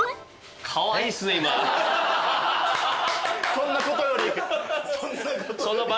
そんなことより。